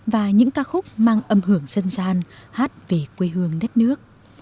và những ca khúc mang âm hưởng dân gian hát về quê hương đất nước